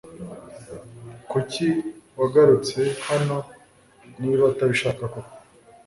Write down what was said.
Kuki wagarutse hano niba utabishaka koko?